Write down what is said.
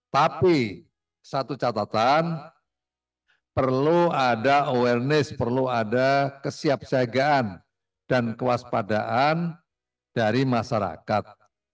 tapi satu catatan perlu ada awareness perlu ada kesiapsiagaan dan kewaspadaan dari masyarakat